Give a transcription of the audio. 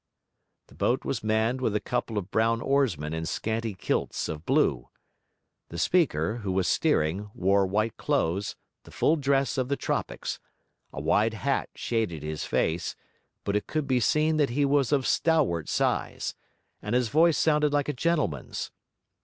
The boat was manned with a couple of brown oarsmen in scanty kilts of blue. The speaker, who was steering, wore white clothes, the full dress of the tropics; a wide hat shaded his face; but it could be seen that he was of stalwart size, and his voice sounded like a gentleman's.